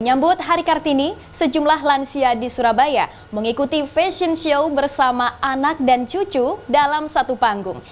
menyambut hari kartini sejumlah lansia di surabaya mengikuti fashion show bersama anak dan cucu dalam satu panggung